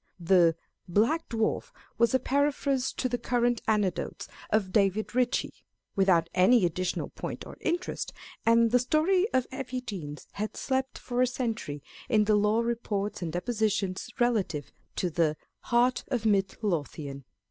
The Black Dzcar/was a paraphrase of the current anecdotes of David Ritchie, without any additional point or interest, and the story of Effie Deans had slept for a century in the law reports and depositions relative to the Heart of Mid Lothian.